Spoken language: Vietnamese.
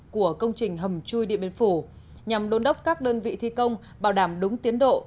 của công trình hầm chui điện biên phủ nhằm đôn đốc các đơn vị thi công bảo đảm đúng tiến độ